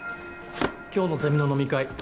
今日のゼミの飲み会